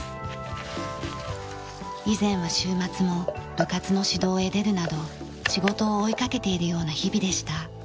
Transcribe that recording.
以前は週末も部活の指導へ出るなど仕事を追いかけているような日々でした。